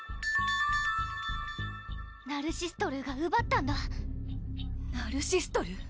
ナルシストルーがうばったんだナルシストルー？